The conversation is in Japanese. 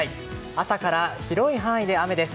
朝から広い範囲で雨です。